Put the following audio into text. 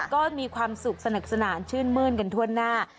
ก็มีความสุขสนุกสนานชื่นมื้นกันทั่วหน้า